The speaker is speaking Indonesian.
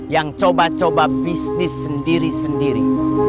yang coba coba bisnis sendiri sendiri